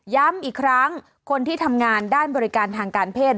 ย้ำอีกครั้งคนที่ทำงานด้านบริการทางการเพศ